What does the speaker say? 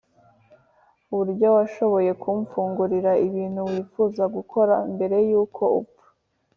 uburyo washoboye kumfungurira ibintu wifuza gukora mbere yuko upfa